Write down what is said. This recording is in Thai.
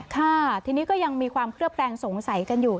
ค่ะทีนี้ก็ยังมีความเคลือบแคลงสงสัยกันอยู่